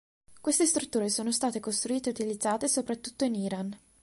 Queste strutture sono state costruite e utilizzate soprattutto in Iran.